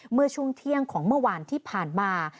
เมื่อช่วงเที่ยงของเมื่อวานที่ผ่านมา